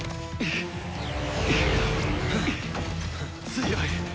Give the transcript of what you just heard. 強い。